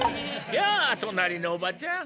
やあ隣のおばちゃん。